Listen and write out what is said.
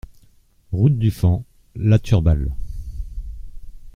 Route du Fan, La Turballe